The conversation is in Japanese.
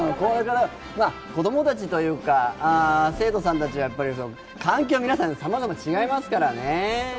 子供たちというか、生徒さんたちはやっぱり環境皆さんさまざま違いますからね。